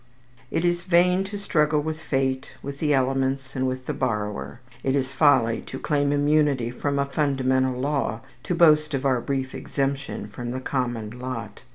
It is vain to struggle with fate, with the elements, and with the borrower; it is folly to claim immunity from a fundamental law, to boast of our brief exemption from the common lot.